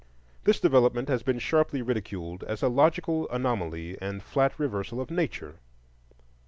This development has been sharply ridiculed as a logical anomaly and flat reversal of nature.